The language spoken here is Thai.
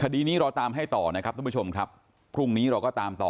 คดีนี้เราตามให้ต่อนะครับทุกผู้ชมครับพรุ่งนี้เราก็ตามต่อ